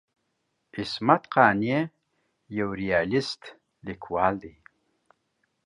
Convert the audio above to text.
عصمت قانع یو ریالیست لیکوال دی.